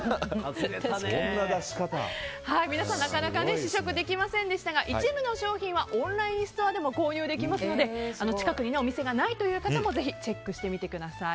みなさん、なかなか試食できませんでしたが一部の商品はオンラインストアでも購入できますので近くにお店がないという方もぜひチェックしてみてください。